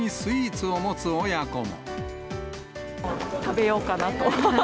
食べようかなと。